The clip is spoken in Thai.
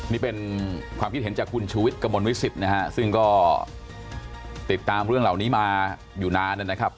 นี่เป็นความคิดเห็นจากคุณชูวิทย์กระมวลวิสิตนะฮะซึ่งก็ติดตามเรื่องเหล่านี้มาอยู่นานนะครับ